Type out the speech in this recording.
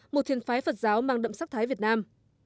một thiền phái phật giáo mang đậm sắc thái việt nam